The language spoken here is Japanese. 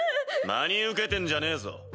真に受けてんじゃねぇぞ。